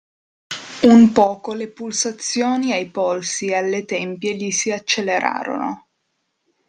Un poco le pulsazioni ai polsi e alle tempie gli si accelerarono.